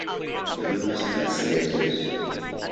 The roofs are slated.